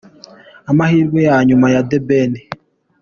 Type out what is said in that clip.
Amahirwe ya nyuma ya The Ben.